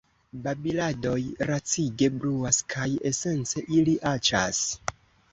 Babiladoj lacige bruas, kaj esence, ili aĉas.